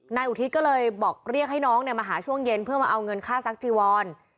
นายอุทิศก็เลยบอกเรียกให้น้องมาหาช่วงเย็นเพื่อมาเอาเงินค่าซักจีวร